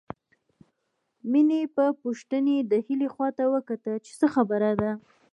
مينې په پوښتنې د هيلې خواته وکتل چې څه خبره ده